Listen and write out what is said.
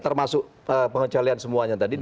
termasuk pengecualian semuanya tadi